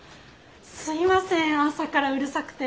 すいません朝からうるさくて。